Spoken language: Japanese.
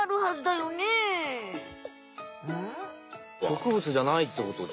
植物じゃないってこと？